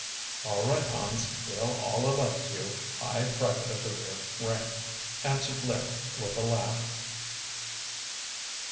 "All right, Hans, we'll all elect you high private of the rear rank," answered Larry with a laugh.